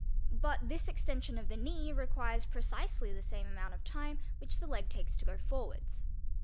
But this extension of the knee requires precisely the same amount of time which the leg takes to go forwards.